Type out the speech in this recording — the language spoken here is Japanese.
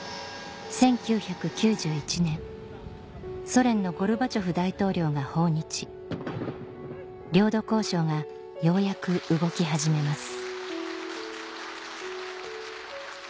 ソ連のゴルバチョフ大統領が訪日領土交渉がようやく動き始めます